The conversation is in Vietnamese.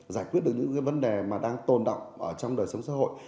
giải quyết được những vấn đề mà đang tồn động trong đời sống xã hội